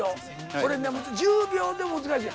これね１０秒でも難しい。